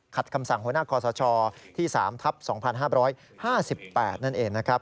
คำสั่งหัวหน้าคอสชที่๓ทับ๒๕๕๘นั่นเองนะครับ